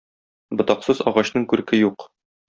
Ботаксыз агачның күрке юк.